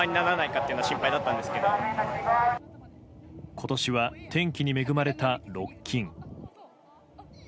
今年は天気に恵まれたロッキン。